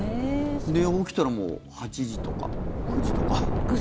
起きたらもう８時とか９時とか。